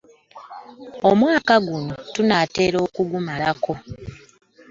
Omwaka guno tunaatera okugumalako.